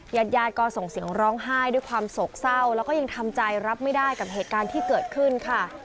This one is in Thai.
ญาติญาติก็ส่งเสียงร้องไห้ด้วยความโศกเศร้าแล้วก็ยังทำใจรับไม่ได้กับเหตุการณ์ที่เกิดขึ้นค่ะ